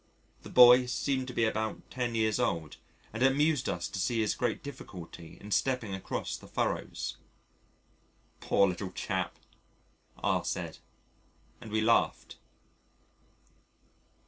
The boy seemed to be about 10 years old, and it amused us to see his great difficulty in stepping across the furrows. "Poor little chap," R said, and we laughed.